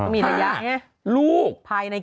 มีระยะไง